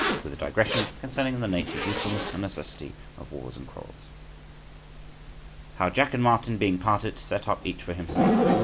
With a digression concerning the nature, usefulness, and necessity of wars and quarrels. HOW Jack and Martin, being parted, set up each for himself.